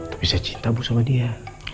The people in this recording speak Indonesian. tapi saya cinta bu sama dia